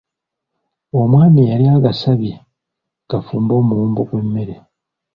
Omwami yali agasabye gafumbe omuwumbo gw’emmere.